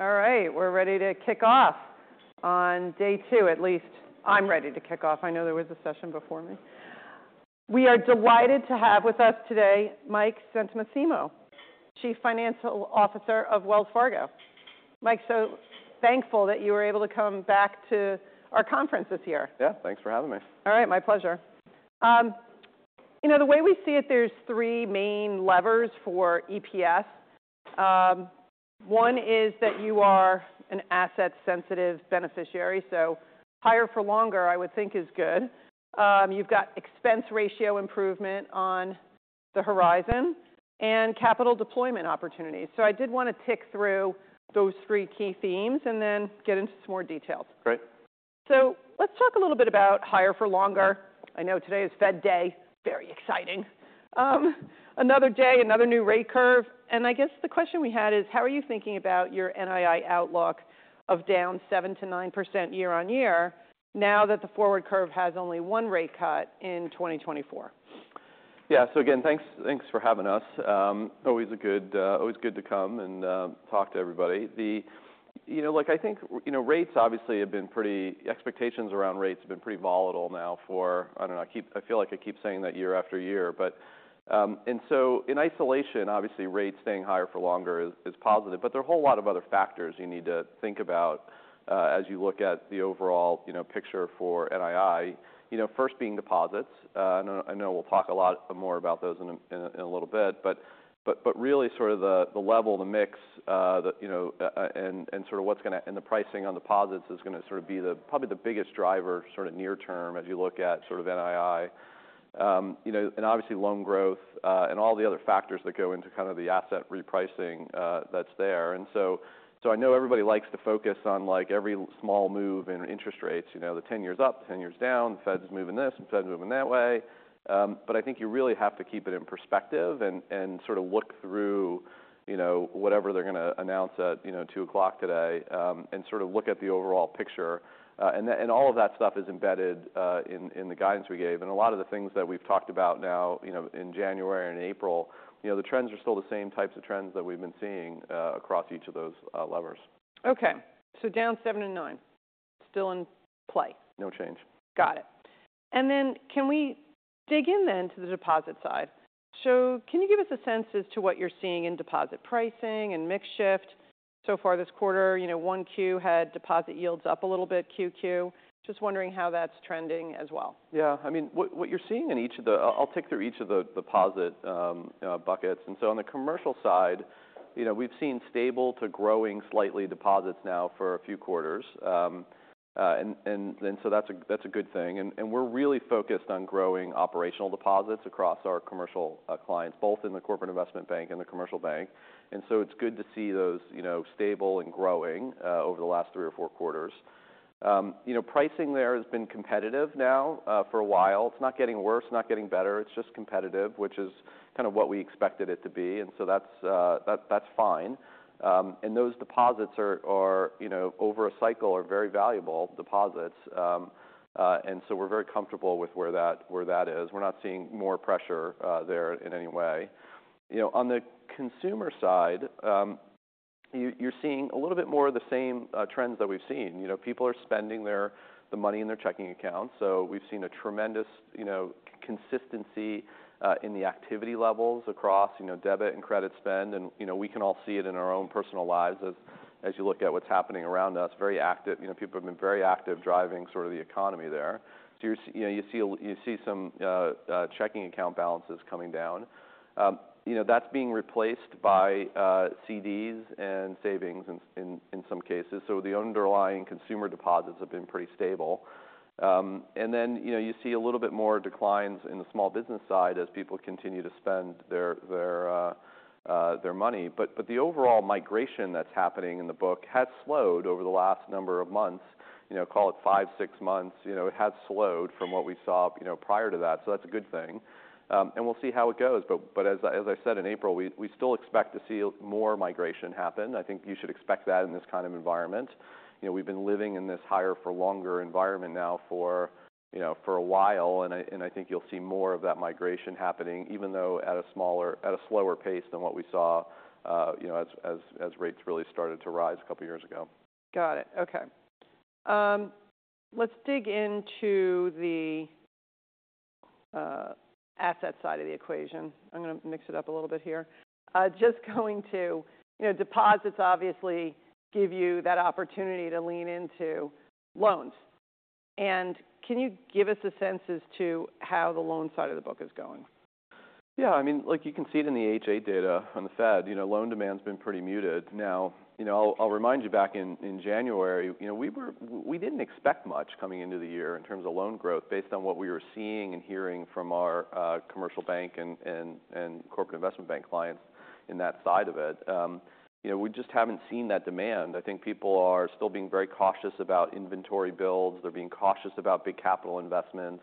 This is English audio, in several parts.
All right, we're ready to kick off on day two. At least I'm ready to kick off. I know there was a session before me. We are delighted to have with us today Mike Santomassimo, Chief Financial Officer of Wells Fargo. Mike, so thankful that you were able to come back to our conference this year. Yeah, thanks for having me. All right, my pleasure. You know, the way we see it, there's three main levers for EPS. One is that you are an asset-sensitive beneficiary, so higher for longer, I would think is good. You've got expense ratio improvement on the horizon and capital deployment opportunities. So I did want to tick through those three key themes and then get into some more details. Great. So let's talk a little bit about higher for longer. I know today is Fed Day, very exciting. Another day, another new rate curve, and I guess the question we had is: how are you thinking about your NII outlook of down 7%-9% year-on-year, now that the forward curve has only one rate cut in 2024? Yeah. So again, thanks, thanks for having us. Always good to come and talk to everybody. You know, look, I think, you know, rates obviously have been pretty, expectations around rates have been pretty volatile now for I don't know, I feel like I keep saying that year after year. But. And so in isolation, obviously, rates staying higher for longer is positive, but there are a whole lot of other factors you need to think about as you look at the overall, you know, picture for NII. You know, first being deposits. I know, I know we'll talk a lot more about those in a little bit, but really sort of the level, the mix, you know, and sort of what's going to and the pricing on deposits is going to sort of be probably the biggest driver, sort of near term as you look at sort of NII. You know, and obviously, loan growth and all the other factors that go into kind of the asset repricing, that's there. So I know everybody likes to focus on, like, every small move in interest rates, you know, the 10 years up, 10 years down, Fed's moving this, and Fed's moving that way. But I think you really have to keep it in perspective and sort of look through, you know, whatever they're going to announce at 2:00 P.M. today, and sort of look at the overall picture. And all of that stuff is embedded in the guidance we gave. And a lot of the things that we've talked about now, you know, in January and April, you know, the trends are still the same types of trends that we've been seeing across each of those levers. Okay, so down 7-9, still in play? No change. Got it. And then can we dig in then to the deposit side? So can you give us a sense as to what you're seeing in deposit pricing and mix shift so far this quarter? You know, 1Q had deposit yields up a little bit, 2Q. Just wondering how that's trending as well. Yeah, I mean, what you're seeing in each of the. I'll tick through each of the deposit buckets. And so on the commercial side, you know, we've seen stable to growing slightly deposits now for a few quarters. And then, so that's a good thing. And we're really focused on growing operational deposits across our commercial clients, both in the corporate investment bank and the commercial bank. And so it's good to see those, you know, stable and growing over the last three or four quarters. You know, pricing there has been competitive now for a while. It's not getting worse, not getting better, it's just competitive, which is kind of what we expected it to be. And so that's fine. And those deposits are, you know, over a cycle, are very valuable deposits. So we're very comfortable with where that is. We're not seeing more pressure there in any way. You know, on the consumer side, you're seeing a little bit more of the same trends that we've seen. You know, people are spending the money in their checking accounts, so we've seen a tremendous, you know, consistency in the activity levels across, you know, debit and credit spend. And, you know, we can all see it in our own personal lives as you look at what's happening around us, very active. You know, people have been very active driving sort of the economy there. So you know, you see some checking account balances coming down. You know, that's being replaced by CDs and savings in some cases. So the underlying consumer deposits have been pretty stable. And then, you know, you see a little bit more declines in the small business side as people continue to spend their money. But the overall migration that's happening in the book has slowed over the last number of months, you know, call it 5, 6 months. You know, it has slowed from what we saw, you know, prior to that, so that's a good thing. And we'll see how it goes, but as I said, in April, we still expect to see more migration happen. I think you should expect that in this kind of environment. You know, we've been living in this higher for longer environment now for, you know, for a while, and I think you'll see more of that migration happening, even though at a slower pace than what we saw, you know, as rates really started to rise a couple of years ago. Got it. Okay. Let's dig into the asset side of the equation. I'm going to mix it up a little bit here. Just going to, you know, deposits obviously give you that opportunity to lean into loans. Can you give us a sense as to how the loan side of the book is going? Yeah, I mean, like, you can see it in the H.8 data on the Fed. You know, loan demand's been pretty muted. Now, you know, I'll remind you, back in January, you know, we didn't expect much coming into the year in terms of loan growth, based on what we were seeing and hearing from our commercial bank and corporate investment bank clients in that side of it. You know, we just haven't seen that demand. I think people are still being very cautious about inventory builds. They're being cautious about big capital investments.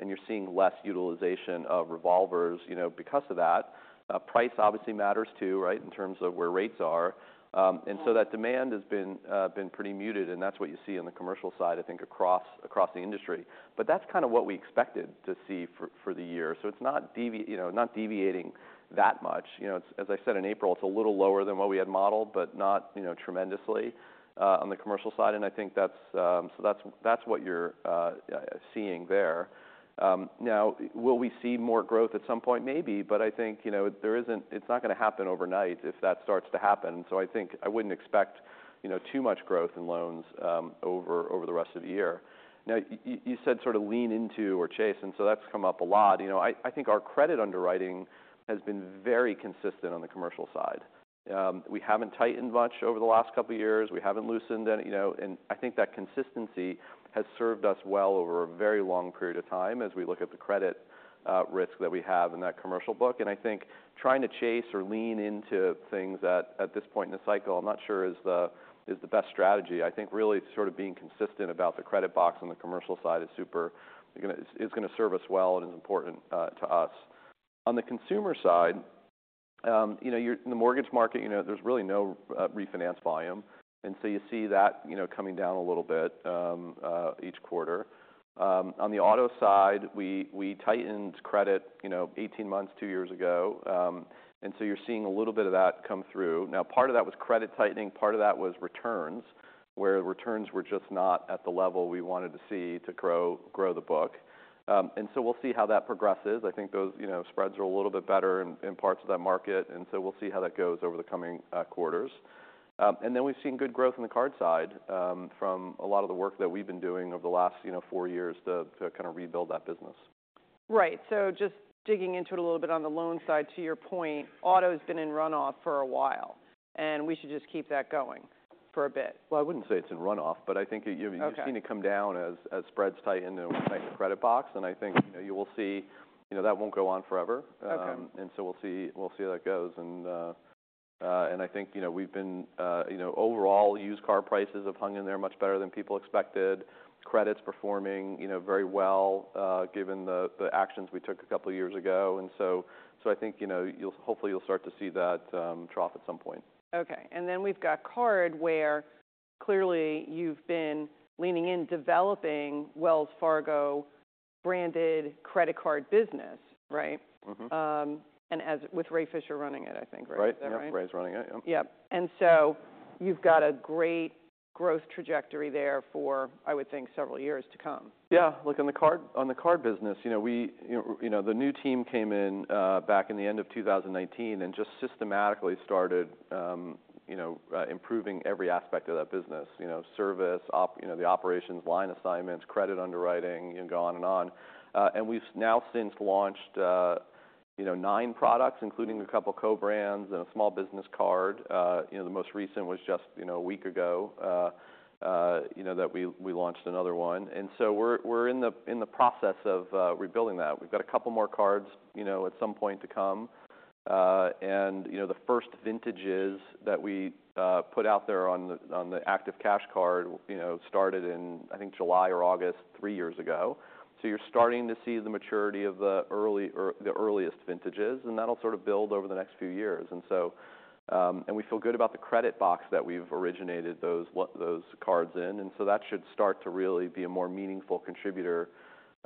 and you're seeing less utilization of revolvers, you know, because of that. Price obviously matters too, right? In terms of where rates are. And so that demand has been pretty muted, and that's what you see on the commercial side, I think, across the industry. But that's kind of what we expected to see for the year, so it's not deviating that much. You know, as I said in April, it's a little lower than what we had modeled, but not, you know, tremendously on the commercial side, and I think that's so that's what you're seeing there. Now, will we see more growth at some point? Maybe, but I think, you know, there isn't. It's not gonna happen overnight if that starts to happen, so I think I wouldn't expect, you know, too much growth in loans over the rest of the year. Now, you said sort of lean into or chase, and so that's come up a lot. You know, I think our credit underwriting has been very consistent on the commercial side. We haven't tightened much over the last couple of years. We haven't loosened any, you know, and I think that consistency has served us well over a very long period of time as we look at the credit risk that we have in that commercial book. And I think trying to chase or lean into things at this point in the cycle, I'm not sure is the best strategy. I think really sort of being consistent about the credit box on the commercial side is super, you know, is gonna serve us well and is important to us. On the consumer side, you know, you're In the mortgage market, you know, there's really no refinance volume, and so you see that, you know, coming down a little bit each quarter. On the auto side, we tightened credit, you know, 18 months, 2 years ago, and so you're seeing a little bit of that come through. Now, part of that was credit tightening, part of that was returns, where returns were just not at the level we wanted to see to grow the book. And so we'll see how that progresses. I think those, you know, spreads are a little bit better in parts of that market, and so we'll see how that goes over the coming quarters. And then we've seen good growth in the card side, from a lot of the work that we've been doing over the last, you know, four years to kind of rebuild that business. Right. So just digging into it a little bit on the loan side, to your point, auto's been in runoff for a while, and we should just keep that going for a bit? Well, I wouldn't say it's in runoff, but I think you Okay you've seen it come down as, as spreads tighten and we tighten the credit box, and I think, you know, you will see, you know, that won't go on forever. Okay. And so we'll see, we'll see how that goes. And I think, you know, we've been. You know, overall, used car prices have hung in there much better than people expected. Credit's performing, you know, very well, given the actions we took a couple years ago. And so I think, you know, you'll hopefully start to see that trough at some point. Okay. And then we've got card, where clearly you've been leaning in, developing Wells Fargo branded credit card business, right? And with Ray Fischer running it, I think, right? Right. Is that right? Yeah, Ray's running it. Yep. Yep. So you've got a great growth trajectory there for, I would think, several years to come. Yeah. Look, on the card, on the card business, you know, we, you know, the new team came in, back in the end of 2019, and just systematically started, you know, improving every aspect of that business. You know, service, operations, line assignments, credit underwriting, and go on and on. And we've now since launched, you know, 9 products, including a couple co-brands and a small business card. You know, the most recent was just, you know, a week ago, that we, we launched another one. And so we're, we're in the, in the process of, rebuilding that. We've got a couple more cards, you know, at some point to come. And, you know, the first vintages that we put out there on the Active Cash card, you know, started in, I think, July or August, three years ago. So you're starting to see the maturity of the early the earliest vintages, and that'll sort of build over the next few years. And so, and we feel good about the credit box that we've originated those those cards in, and so that should start to really be a more meaningful contributor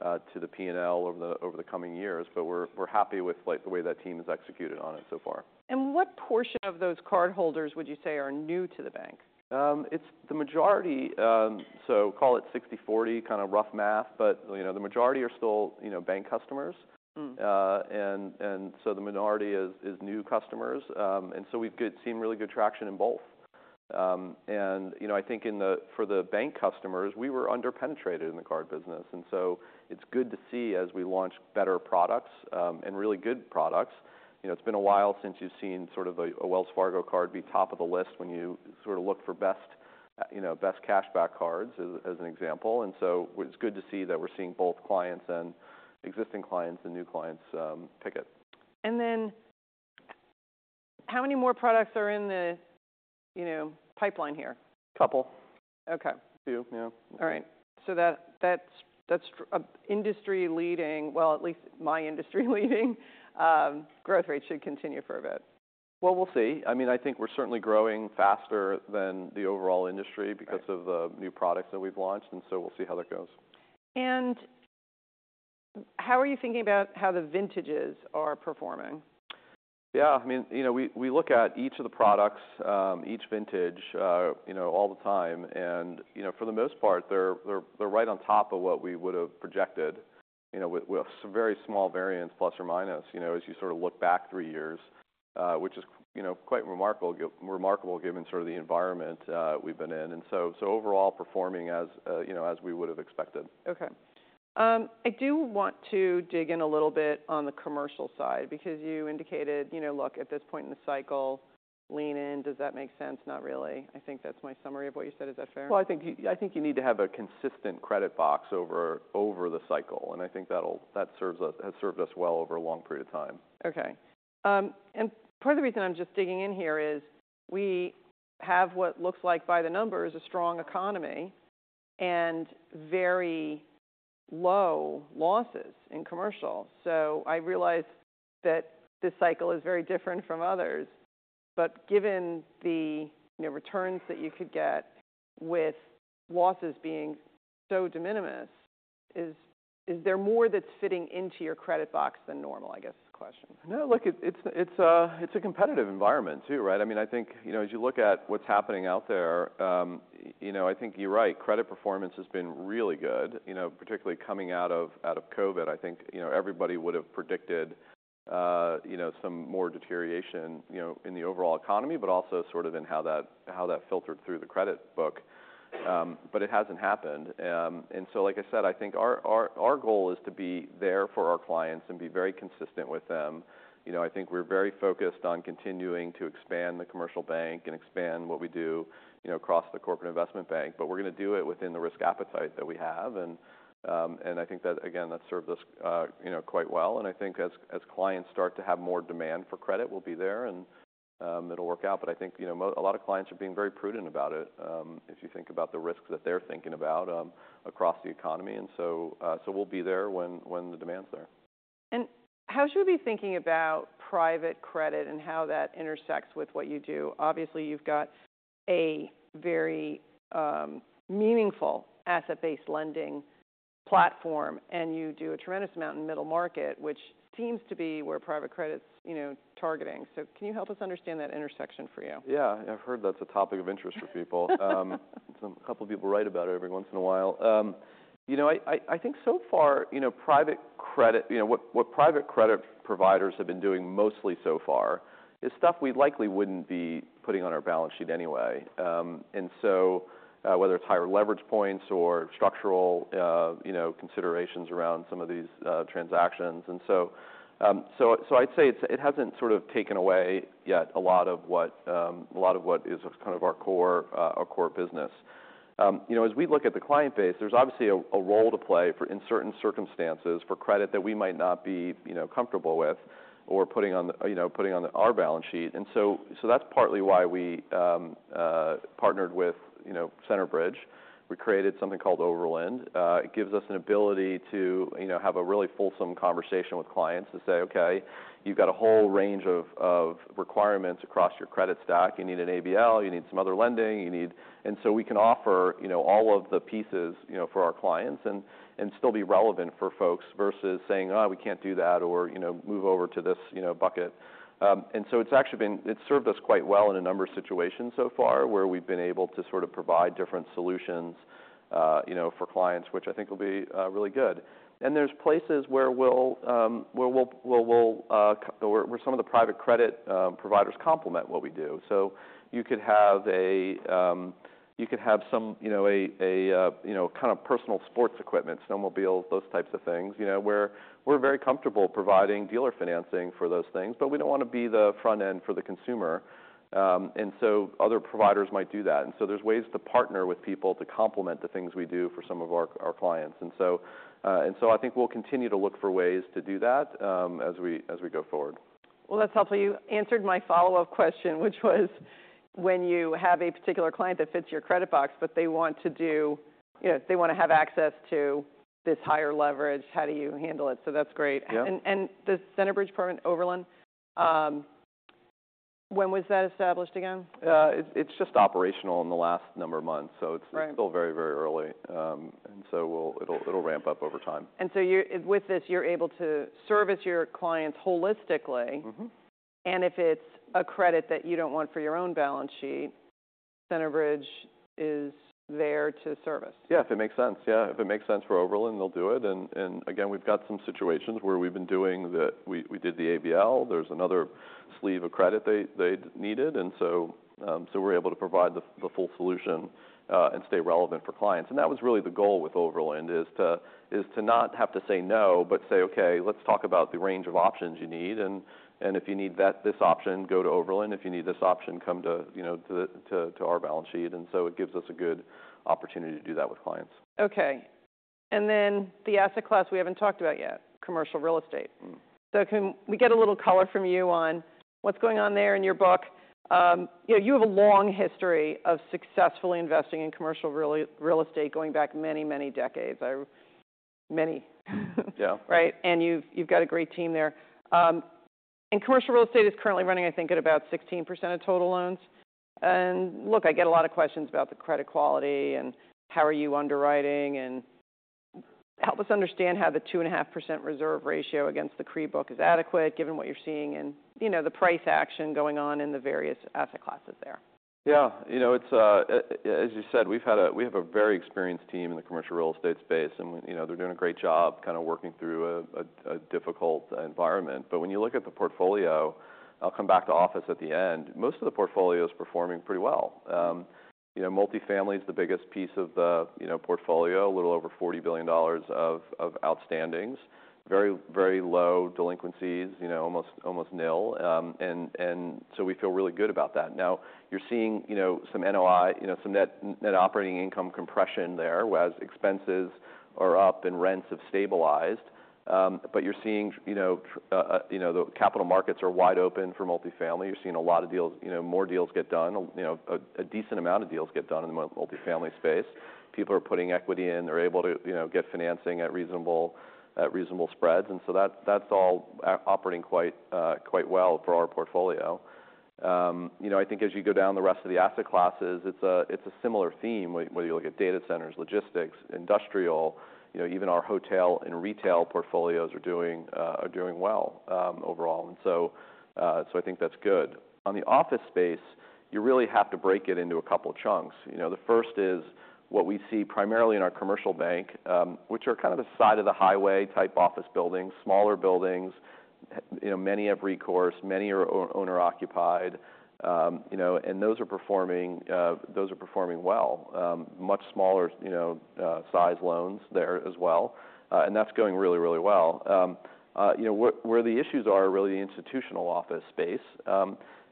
to the P&L over the coming years. But we're happy with, like, the way that team has executed on it so far. What portion of those cardholders would you say are new to the bank? It's the majority. So call it 60/40, kind of rough math, but, you know, the majority are still, you know, bank customers. So the minority is new customers. And so we've seen really good traction in both. And, you know, I think for the bank customers, we were under-penetrated in the card business, and so it's good to see as we launch better products, and really good products. You know, it's been a while since you've seen sort of a Wells Fargo card be top of the list when you sort of look for best, you know, best cash back cards, as an example. And so it's good to see that we're seeing both clients and existing clients and new clients pick it. And then, how many more products are in the, you know, pipeline here? Couple. Okay. Two, yeah. All right. So that's industry-leading, well, at least my industry-leading, growth rate should continue for a bit. Well, we'll see. I mean, I think we're certainly growing faster than the overall industry Right because of the new products that we've launched, and so we'll see how that goes. How are you thinking about how the vintages are performing? Yeah, I mean, you know, we look at each of the products, each vintage, you know, all the time, and, you know, for the most part, they're right on top of what we would have projected, you know, with some very small variants, plus or minus, you know, as you sort of look back 3 years, which is, you know, quite remarkable given the environment we've been in. So overall, performing as, you know, as we would have expected. Okay. I do want to dig in a little bit on the commercial side, because you indicated, you know, look, at this point in the cycle, lean in. Does that make sense? Not really. I think that's my summary of what you said. Is that fair? Well, I think you need to have a consistent credit box over the cycle, and I think that'll. That has served us well over a long period of time. Okay. And part of the reason I'm just digging in here is, we have what looks like by the numbers, a strong economy and very low losses in commercial. So I realize that this cycle is very different from others, but given the, you know, returns that you could get with losses being so de minimis, is there more that's fitting into your credit box than normal? I guess is the question. No, look, it's a competitive environment too, right? I mean, I think, you know, as you look at what's happening out there, you know, I think you're right, credit performance has been really good. You know, particularly coming out of COVID, I think, you know, everybody would've predicted, you know, some more deterioration, you know, in the overall economy, but also sort of in how that filtered through the credit book. But it hasn't happened. And so like I said, I think our goal is to be there for our clients and be very consistent with them. You know, I think we're very focused on continuing to expand the commercial bank and expand what we do, you know, across the corporate investment bank, but we're gonna do it within the risk appetite that we have. I think that, again, that's served us, you know, quite well. I think as clients start to have more demand for credit, we'll be there, and it'll work out. But I think, you know, a lot of clients are being very prudent about it, if you think about the risks that they're thinking about across the economy. So we'll be there when the demand's there. How should we be thinking about private credit and how that intersects with what you do? Obviously, you've got a very, meaningful asset-based lending platform, and you do a tremendous amount in middle market, which seems to be where private credit's, you know, targeting. Can you help us understand that intersection for you? Yeah, I've heard that's a topic of interest for people. A couple people write about it every once in a while. You know, I think so far, you know, private credit. You know, what private credit providers have been doing mostly so far is stuff we likely wouldn't be putting on our balance sheet anyway. And so, whether it's higher leverage points or structural, you know, considerations around some of these transactions. So I'd say it's, it hasn't sort of taken away yet a lot of what is kind of our core, our core business. You know, as we look at the client base, there's obviously a role to play for in certain circumstances, for credit that we might not be, you know, comfortable with, or putting on our balance sheet. So that's partly why we partnered with, you know, Centerbridge. We created something called Overland. It gives us an ability to, you know, have a really fulsome conversation with clients to say, "Okay, you've got a whole range of requirements across your credit stack. You need an ABL, you need some other lending, you need" And so we can offer, you know, all of the pieces, you know, for our clients, and still be relevant for folks, versus saying, "Oh, we can't do that," or, you know, "Move over to this, you know, bucket." And so it's actually been. It's served us quite well in a number of situations so far, where we've been able to sort of provide different solutions, you know, for clients, which I think will be really good. And there's places where we'll. Where some of the private credit providers complement what we do. So you could have some, you know, kind of personal sports equipment, snowmobiles, those types of things, you know, where we're very comfortable providing dealer financing for those things, but we don't want to be the front end for the consumer. And so other providers might do that. And so there's ways to partner with people to complement the things we do for some of our clients. And so I think we'll continue to look for ways to do that, as we go forward. Well, that's helpful. You answered my follow-up question, which was: When you have a particular client that fits your credit box, but they want to, you know, have access to this higher leverage, how do you handle it? So that's great. Yeah. The Centerbridge part, Overland, when was that established again? It's just operational in the last number of months, so it's Right still very, very early. And so it'll ramp up over time. And so you're. With this, you're able to service your clients holistically. If it's a credit that you don't want for your own balance sheet, Centerbridge is there to service. Yeah, if it makes sense. Yeah, if it makes sense for Overland, they'll do it. And again, we've got some situations where we've been doing the—we did the ABL, there's another sleeve of credit they needed, and so we're able to provide the full solution and stay relevant for clients. And that was really the goal with Overland, is to not have to say no, but say, "Okay, let's talk about the range of options you need, and if you need this option, go to Overland. If you need this option, come to, you know, our balance sheet." And so it gives us a good opportunity to do that with clients. Okay. And then the asset class we haven't talked about yet, commercial real estate. So can we get a little color from you on what's going on there in your book? You know, you have a long history of successfully investing in commercial real estate, going back many, many decades, many. Yeah. Right? And you've got a great team there. And commercial real estate is currently running, I think, at about 16% of total loans. And look, I get a lot of questions about the credit quality, and how are you underwriting, and. Help us understand how the 2.5% reserve ratio against the CRE book is adequate, given what you're seeing and, you know, the price action going on in the various asset classes there. Yeah, you know, it's. As you said, we have a very experienced team in the commercial real estate space, and, you know, they're doing a great job kind of working through a difficult environment. But when you look at the portfolio, I'll come back to office at the end, most of the portfolio is performing pretty well. You know, multifamily is the biggest piece of the portfolio, a little over $40 billion of outstandings. Very, very low delinquencies, you know, almost nil. And so we feel really good about that. Now, you're seeing, you know, some NOI, some net operating income compression there, whereas expenses are up and rents have stabilized. But you're seeing, you know, the capital markets are wide open for multifamily. You're seeing a lot of deals, you know, more deals get done, you know, a decent amount of deals get done in the multifamily space. People are putting equity in. They're able to, you know, get financing at reasonable, at reasonable spreads, and so that, that's all operating quite, quite well for our portfolio. You know, I think as you go down the rest of the asset classes, it's a similar theme, whether you look at data centers, logistics, industrial, you know, even our hotel and retail portfolios are doing well, overall. And so, so I think that's good. On the office space, you really have to break it into a couple chunks. You know, the first is what we see primarily in our commercial bank, which are kind of a side-of-the-highway-type office buildings, smaller buildings, you know, many have recourse, many are owner occupied. You know, and those are performing, those are performing well. Much smaller, you know, size loans there as well, and that's going really, really well. Where the issues are are really the institutional office space.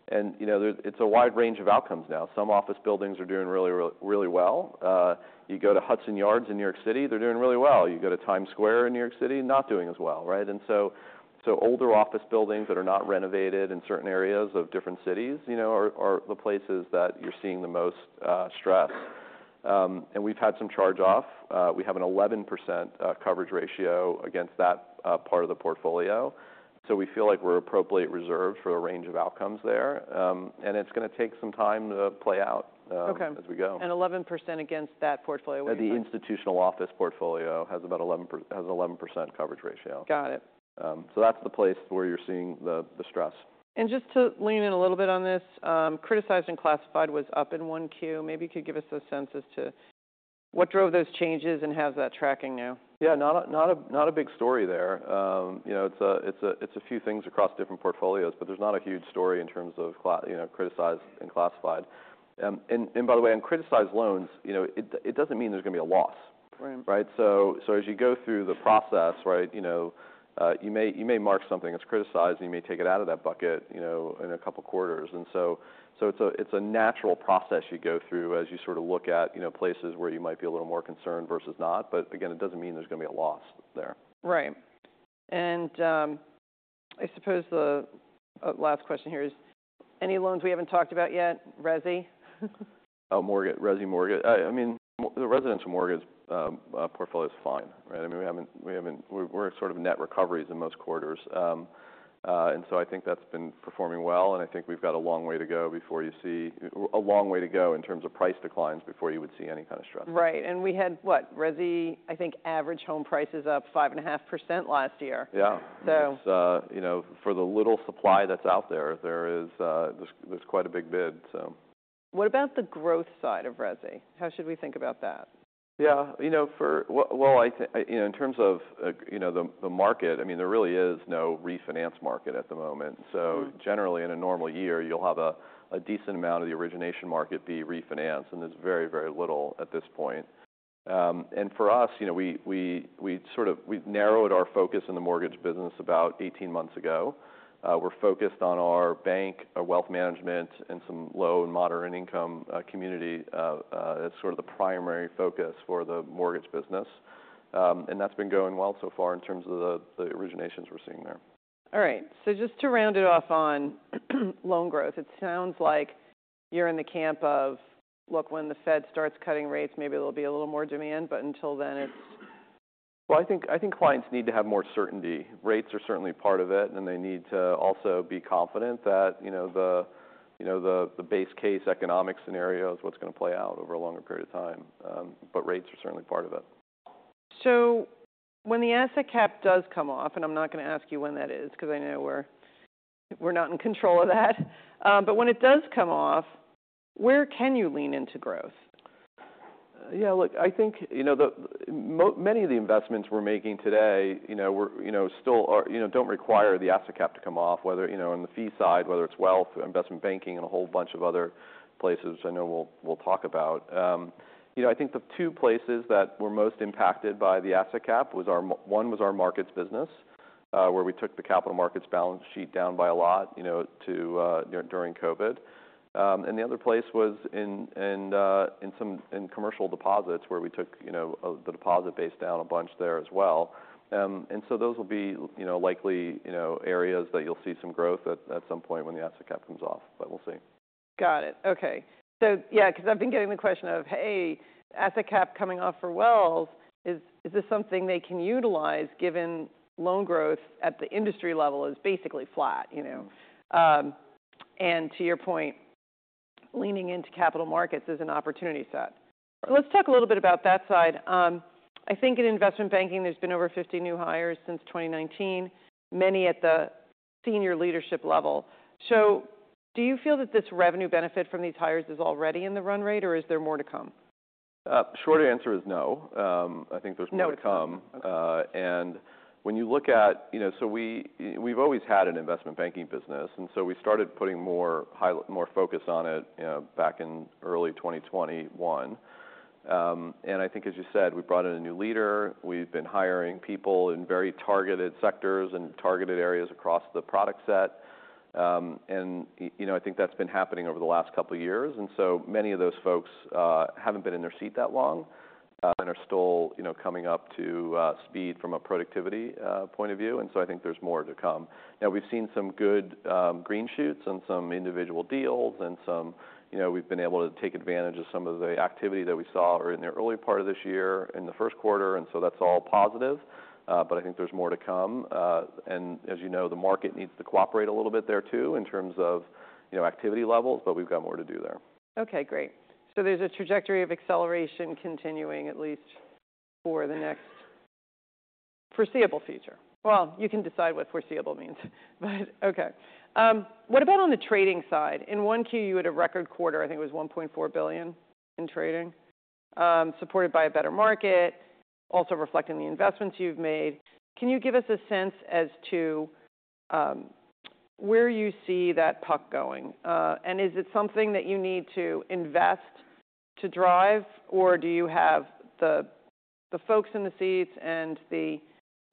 And, you know, there, it's a wide range of outcomes now. Some office buildings are doing really, really, really well. You go to Hudson Yards in New York City, they're doing really well. You go to Times Square in New York City, not doing as well, right? Older office buildings that are not renovated in certain areas of different cities, you know, are the places that you're seeing the most stress. We've had some charge-off. We have an 11% coverage ratio against that part of the portfolio, so we feel like we're appropriately reserved for a range of outcomes there. It's gonna take some time to play out. Okay as we go. 11% against that portfolio would be? The institutional office portfolio has about 11% coverage ratio. Got it. So that's the place where you're seeing the stress. Just to lean in a little bit on this, criticized and classified was up in 1Q. Maybe you could give us a sense as to what drove those changes, and how's that tracking now? Yeah, not a big story there. You know, it's a few things across different portfolios, but there's not a huge story in terms of you know criticized and classified. And by the way, on criticized loans, you know, it doesn't mean there's gonna be a loss. Right. Right? So as you go through the process, right, you know, you may mark something that's criticized, and you may take it out of that bucket, you know, in a couple quarters. And so it's a natural process you go through as you sort of look at, you know, places where you might be a little more concerned versus not. But again, it doesn't mean there's gonna be a loss there. Right. And, I suppose the, last question here is, any loans we haven't talked about yet? Resi? Oh, mortgage, resi mortgage. I mean, the residential mortgage portfolio is fine, right? I mean, we haven't. We're sort of net recoveries in most quarters. And so I think that's been performing well, and I think we've got a long way to go before you see a long way to go in terms of price declines before you would see any kind of stress. Right. And we had what? Resi, I think, average home price is up 5.5% last year. Yeah. So It's, you know, for the little supply that's out there, there is, there's quite a big bid, so What about the growth side of resi? How should we think about that? Yeah. You know, for. Well, you know, in terms of, you know, the market, I mean, there really is no refinance market at the moment. So generally, in a normal year, you'll have a decent amount of the origination market be refinance, and there's very, very little at this point. And for us, you know, we sort of—we've narrowed our focus in the mortgage business about 18 months ago. We're focused on our bank, our wealth management, and some low- and moderate-income community as sort of the primary focus for the mortgage business. And that's been going well so far in terms of the originations we're seeing there. All right, so just to round it off on loan growth, it sounds like you're in the camp of, "Look, when the Fed starts cutting rates, maybe there'll be a little more demand, but until then, it's... Well, I think, I think clients need to have more certainty. Rates are certainly part of it, and they need to also be confident that, you know, the, you know, the base case economic scenario is what's gonna play out over a longer period of time. But rates are certainly part of it. So when the asset cap does come off, and I'm not gonna ask you when that is, because I know we're not in control of that, but when it does come off, where can you lean into growth? Yeah, look, I think, you know, the many of the investments we're making today, you know, we're, you know, still are, you know, don't require the asset cap to come off, whether, you know, on the fee side, whether it's wealth, investment banking, and a whole bunch of other places, which I know we'll, we'll talk about. You know, I think the two places that were most impacted by the asset cap was our one, was our markets business, where we took the capital markets balance sheet down by a lot, you know, to, during COVID. And the other place was in commercial deposits, where we took, you know, the deposit base down a bunch there as well. And so those will be, you know, likely, you know, areas that you'll see some growth at, at some point when the asset cap comes off, but we'll see. Got it. Okay. So yeah, because I've been getting the question of, "Hey, asset cap coming off for Wells, is this something they can utilize, given loan growth at the industry level is basically flat?" You know. And to your point, leaning into capital markets is an opportunity set. Let's talk a little bit about that side. I think in investment banking, there's been over 50 new hires since 2019, many at the senior leadership level. So do you feel that this revenue benefit from these hires is already in the run rate, or is there more to come? Short answer is no. I think there's more No to come. Okay. You know, so we, we've always had an investment banking business, and so we started putting more focus on it, you know, back in early 2021. And I think, as you said, we brought in a new leader. We've been hiring people in very targeted sectors and targeted areas across the product set. You know, I think that's been happening over the last couple years, and so many of those folks haven't been in their seat that long, and are still, you know, coming up to speed from a productivity point of view, and so I think there's more to come. Now, we've seen some good green shoots on some individual deals and some... You know, we've been able to take advantage of some of the activity that we saw in the early part of this year, in the first quarter, and so that's all positive. But I think there's more to come, and as you know, the market needs to cooperate a little bit there too, in terms of, you know, activity levels, but we've got more to do there. Okay, great. So there's a trajectory of acceleration continuing, at least for the next foreseeable future. Well, you can decide what foreseeable means, but okay. What about on the trading side? In 1Q, you had a record quarter, I think it was $1.4 billion in trading, supported by a better market, also reflecting the investments you've made. Can you give us a sense as to where you see that puck going? And is it something that you need to invest to drive, or do you have the folks in the seats and the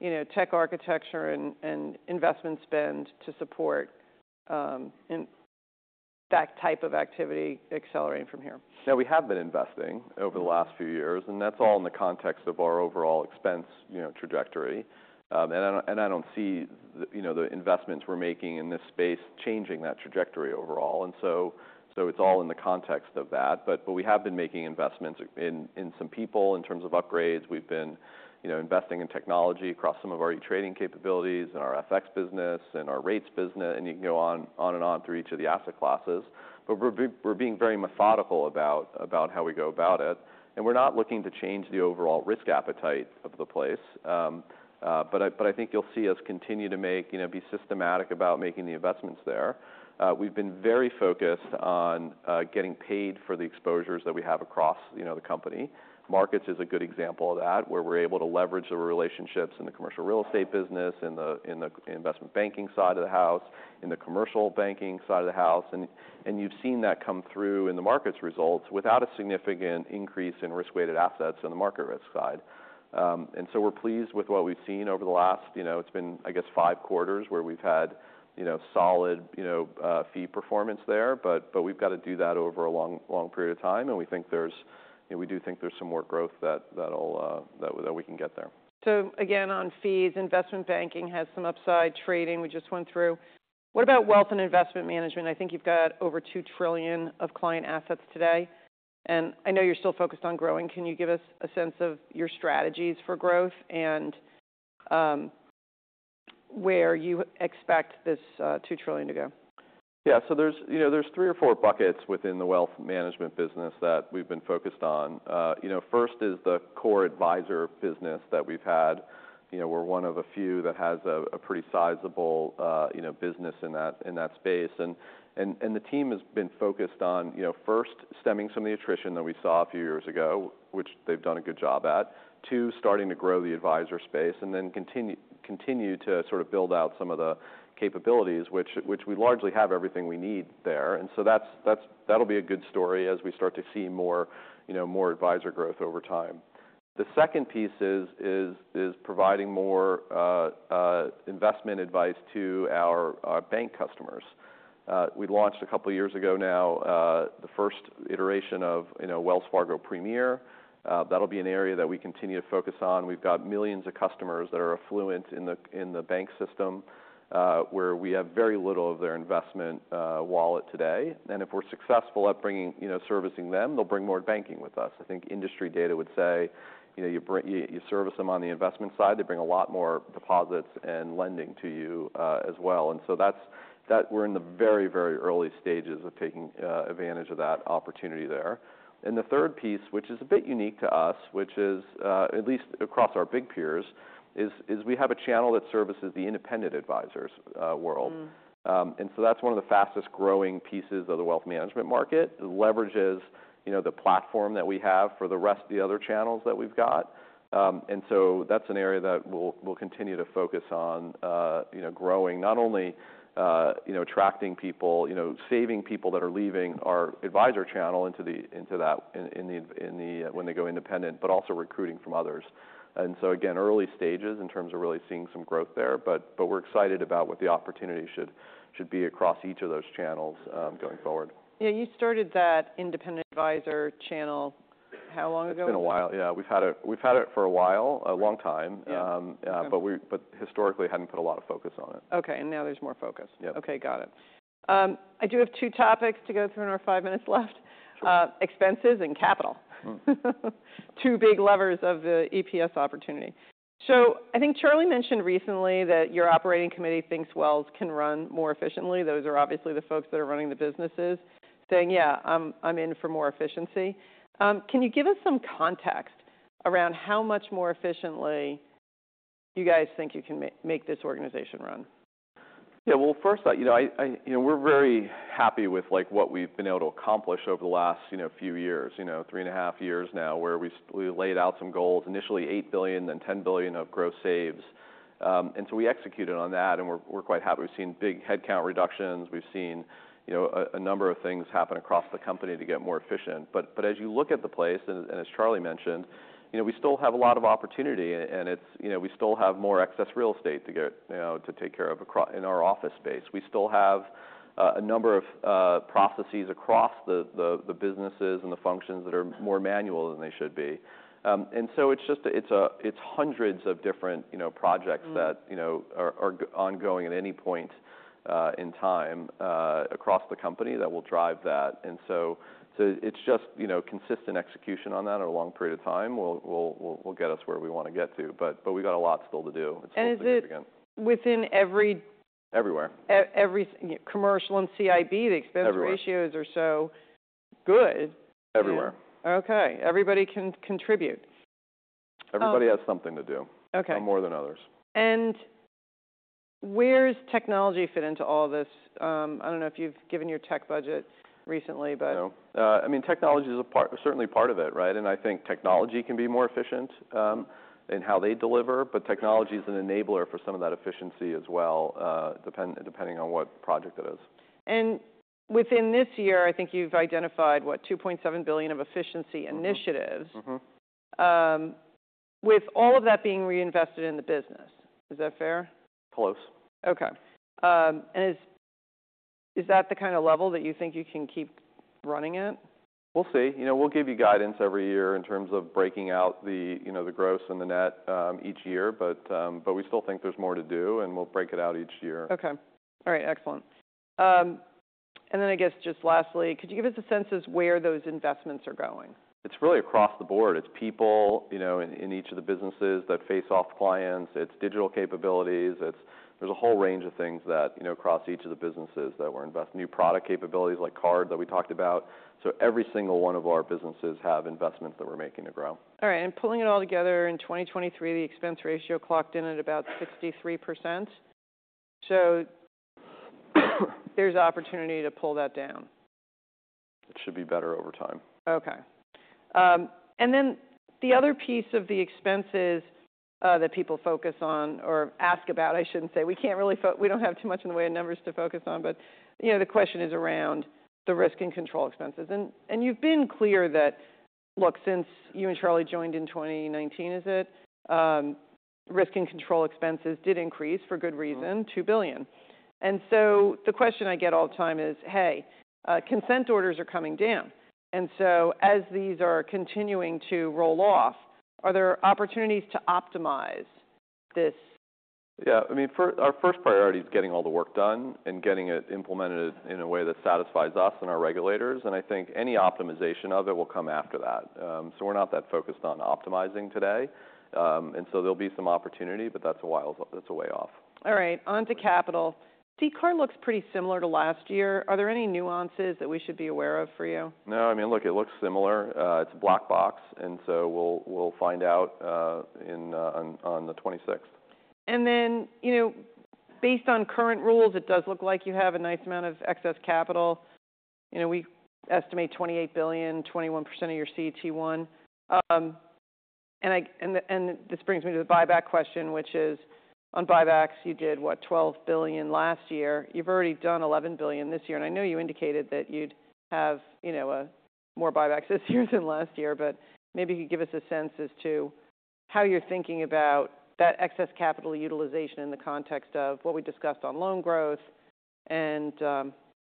you know tech architecture and investment spend to support in that type of activity accelerating from here? Yeah, we have been investing over the last few years, and that's all in the context of our overall expense, you know, trajectory. And I don't, and I don't see the, you know, the investments we're making in this space changing that trajectory overall. And so, so it's all in the context of that, but, but we have been making investments in, in some people, in terms of upgrades. We've been, you know, investing in technology across some of our e-trading capabilities and our FX business and our rates business, and you can go on, on and on through each of the asset classes. But we're being very methodical about, about how we go about it, and we're not looking to change the overall risk appetite of the place. But I, but I think you'll see us continue to make... You know, be systematic about making the investments there. We've been very focused on, getting paid for the exposures that we have across, you know, the company. Markets is a good example of that, where we're able to leverage the relationships in the commercial real estate business, in the, in the investment banking side of the house, in the commercial banking side of the house. And, and you've seen that come through in the markets results without a significant increase in risk-weighted assets in the market risk side. And so we're pleased with what we've seen over the last, you know, it's been, I guess, five quarters, where we've had, you know, solid, you know, fee performance there. But we've got to do that over a long, long period of time, and we think there's, you know, we do think there's some more growth that we can get there. So again, on fees, investment banking has some upside trading we just went through. What about wealth and investment management? I think you've got over $2 trillion of client assets today, and I know you're still focused on growing. Can you give us a sense of your strategies for growth and, where you expect this $2 trillion to go? Yeah. So there's, you know, there's three or four buckets within the wealth management business that we've been focused on. You know, first is the core advisor business that we've had. You know, we're one of a few that has a, a pretty sizable, you know, business in that, in that space. And the team has been focused on, you know, first, stemming some of the attrition that we saw a few years ago, which they've done a good job at. Two, starting to grow the advisor space, and then continue to sort of build out some of the capabilities, which we largely have everything we need there. And so that's, that'll be a good story as we start to see more, you know, more advisor growth over time. The second piece is providing more investment advice to our bank customers. We launched a couple of years ago now the first iteration of, you know, Wells Fargo Premier. That'll be an area that we continue to focus on. We've got millions of customers that are affluent in the bank system where we have very little of their investment wallet today, and if we're successful at bringing. You know, servicing them, they'll bring more banking with us. I think industry data would say, you know, you service them on the investment side, they bring a lot more deposits and lending to you as well. And so that we're in the very, very early stages of taking advantage of that opportunity there. The 3rd piece, which is a bit unique to us, which is at least across our big peers, is we have a channel that services the independent advisors world. And so that's one of the fastest growing pieces of the wealth management market. It leverages, you know, the platform that we have for the rest of the other channels that we've got. And so that's an area that we'll continue to focus on, you know, growing, not only, you know, attracting people, you know, saving people that are leaving our advisor channel into that, in the. When they go independent, but also recruiting from others. And so again, early stages in terms of really seeing some growth there, but we're excited about what the opportunity should be across each of those channels, going forward. Yeah, you started that independent advisor channel how long ago? It's been a while. Yeah, we've had it for a while, a long time. Yeah. Yeah, but historically, hadn't put a lot of focus on it. Okay, and now there's more focus? Yep. Okay, got it. I do have 2 topics to go through in our 5 minutes left. Sure. Expenses and capital. Two big levers of the EPS opportunity. So I think Charlie mentioned recently that your operating committee thinks Wells can run more efficiently. Those are obviously the folks that are running the businesses, saying: "Yeah, I'm in for more efficiency." Can you give us some context around how much more efficiently you guys think you can make this organization run? Yeah. Well, first, you know, we're very happy with, like, what we've been able to accomplish over the last, you know, few years, you know, three and a half years now, where we laid out some goals, initially $8 billion, then $10 billion of gross saves. And so we executed on that, and we're quite happy. We've seen big headcount reductions. We've seen, you know, a number of things happen across the company to get more efficient. But as you look at the place, and as Charlie mentioned, you know, we still have a lot of opportunity, and it's, you know, we still have more excess real estate to get, you know, to take care of across our office space. We still have a number of processes across the businesses and the functions that are more manual than they should be. And so it's just hundreds of different, you know, projects that, you know, are ongoing at any point in time across the company that will drive that. And so it's just, you know, consistent execution on that over a long period of time will get us where we want to get to. But we've got a lot still to do. It's Is it within every Everywhere. Every commercial and CIB, the expense Everywhere Ratios are so good. Everywhere. Okay, everybody can contribute. Everybody has something to do. Okay. Some more than others. Where's technology fit into all this? I don't know if you've given your tech budget recently, but No. I mean, technology is a part, certainly part of it, right? And I think technology can be more efficient in how they deliver, but technology is an enabler for some of that efficiency as well, depending on what project it is. Within this year, I think you've identified, what? $2.7 billion of efficiency initiatives. With all of that being reinvested in the business. Is that fair? Close. Okay. And is that the kind of level that you think you can keep running at? We'll see. You know, we'll give you guidance every year in terms of breaking out the, you know, the gross and the net, each year, but we still think there's more to do, and we'll break it out each year. Okay. All right, excellent. And then I guess, just lastly, could you give us a sense as where those investments are going? It's really across the board. It's people, you know, in each of the businesses that face off clients. It's digital capabilities. It's. There's a whole range of things that, you know, across each of the businesses that we're investing in new product capabilities, like card, that we talked about. So every single one of our businesses have investments that we're making to grow. All right, and pulling it all together, in 2023, the expense ratio clocked in at about 63%. So, there's opportunity to pull that down. It should be better over time. Okay. And then the other piece of the expenses that people focus on or ask about, I should say, we can't really we don't have too much in the way of numbers to focus on, but, you know, the question is around the risk and control expenses. And you've been clear that, look, since you and Charlie joined in 2019, is it? Risk and control expenses did increase, for good reason $2 billion. And so the question I get all the time is, "Hey, consent orders are coming down," and so as these are continuing to roll off, are there opportunities to optimize this? Yeah, I mean, our first priority is getting all the work done and getting it implemented in a way that satisfies us and our regulators, and I think any optimization of it will come after that. So we're not that focused on optimizing today. And so there'll be some opportunity, but that's a while, that's a way off. All right, onto capital. CECL looks pretty similar to last year. Are there any nuances that we should be aware of for you? No, I mean, look, it looks similar. It's a black box, and so we'll find out on the 26th. And then, you know, based on current rules, it does look like you have a nice amount of excess capital. You know, we estimate $28 billion, 21% of your CET1. And this brings me to the buyback question, which is, on buybacks, you did, what? $12 billion last year. You've already done $11 billion this year, and I know you indicated that you'd have, you know, a more buybacks this year than last year, but maybe you could give us a sense as to how you're thinking about that excess capital utilization in the context of what we discussed on loan growth, and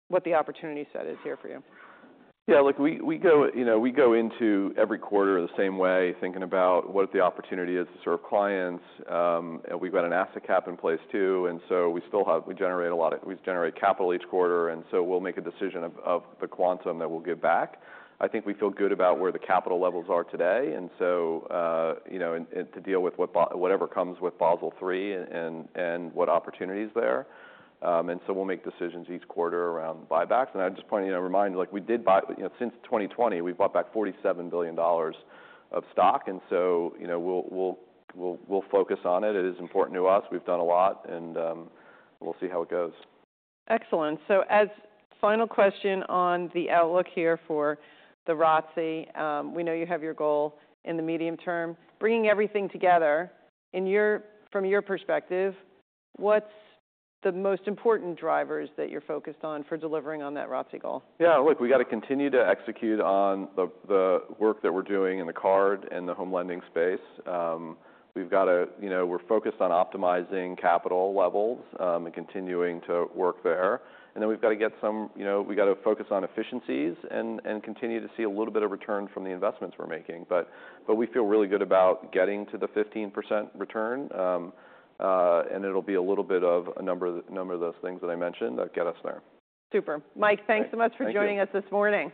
what the opportunity set is here for you. Yeah, look, we go, you know, we go into every quarter the same way, thinking about what the opportunity is to serve clients. We've got an asset cap in place, too, and so we still have, we generate capital each quarter, and so we'll make a decision of the quantum that we'll give back. I think we feel good about where the capital levels are today, and so, you know, and to deal with whatever comes with Basel III and what opportunities there. And so we'll make decisions each quarter around buybacks. And I just want, you know, remind, like we did buy. You know, since 2020, we've bought back $47 billion of stock, and so, you know, we'll focus on it. It is important to us. We've done a lot, and, we'll see how it goes. Excellent. So as final question on the outlook here for the ROTCE, we know you have your goal in the medium term. Bringing everything together, from your perspective, what's the most important drivers that you're focused on for delivering on that ROTCE goal? Yeah, look, we got to continue to execute on the, the work that we're doing in the card and the home lending space. We've got to. You know, we're focused on optimizing capital levels, and continuing to work there. And then we've got to, you know, we've got to focus on efficiencies and, and continue to see a little bit of return from the investments we're making. But we feel really good about getting to the 15% return. And it'll be a little bit of a number of those things that I mentioned that get us there. Super. Mike Thank you Thanks so much for joining us this morning.